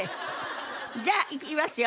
じゃあいきますよ。